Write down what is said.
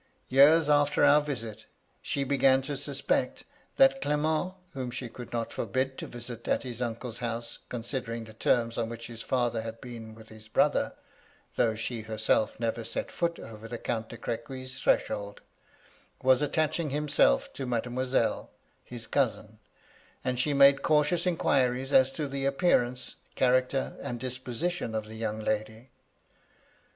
Years after our visit, she began to suspect that Clement (whom she could not forbid to visit at his uncle's house, considering the terms on which his father had been with his brother; though she herself never set foot over the Count de CrA^uy's threshold) was attaching himself to Mademoiselle, his cousin; and she made cautious inquiries as to the appearance, character, and disposition of the young lady.